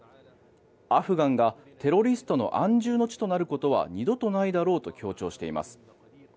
アフガンがテロリストの安住の地となることは二度とないだろうと強調しています。